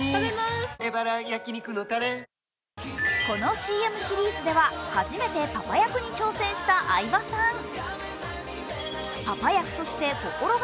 このＣＭシリーズでは初めてパパ役に挑戦した相葉さん。